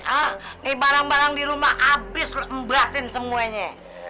ah nih barang barang di rumah abis lo mbatin semuanya